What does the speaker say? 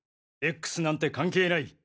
Ｘなんて関係ない。